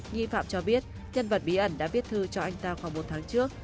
nghi phạm cho biết nhân vật bí ẩn đã viết thư cho anh ta khoảng một tháng trước